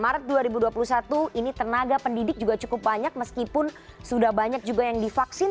maret dua ribu dua puluh satu ini tenaga pendidik juga cukup banyak meskipun sudah banyak juga yang divaksin